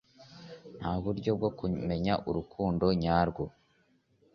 nta buryo bwo kumenya urukundo nyarwo